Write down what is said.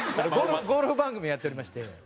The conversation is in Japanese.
ゴルフ番組やっておりまして。